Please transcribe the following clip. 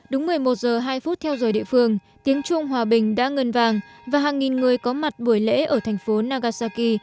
đúng một mươi một giờ hai phút theo giờ địa phương tiếng chuông hòa bình đã ngân vàng và hàng nghìn người có mặt buổi lễ ở thành phố nagasaki